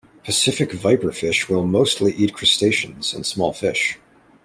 Pacific viperfish will mostly eat crustaceans and small fish.